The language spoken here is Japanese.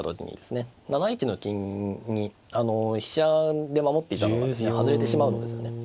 ７一の金に飛車で守っていたのがですね外れてしまうのですよね。